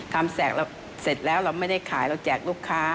แสกเราเสร็จแล้วเราไม่ได้ขายเราแจกลูกค้า